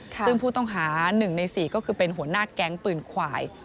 กับผู้ต้องหา๑ใน๔เป็นหัวหน้าแก๊งปรุ่นขวาย